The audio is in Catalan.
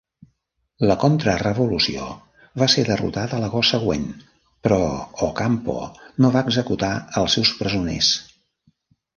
La contrarevolució va ser derrotada l'agost següent, però Ocampo no va executar els seus presoners.